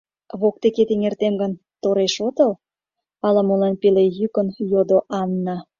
— Воктекет эҥертем гын, тореш отыл? — ала-молан пеле йӱкын йодо Анна.